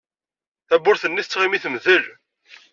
Tawwurt-nni tettɣimi temdel.